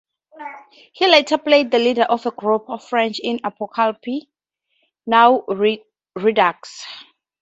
He later played the leader of a group of French in "Apocalypse Now Redux".